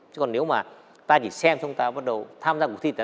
chứ còn nếu mà ta chỉ xem xong ta bắt đầu tham gia cuộc thi